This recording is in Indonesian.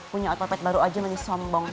punya otopet baru aja ini sombong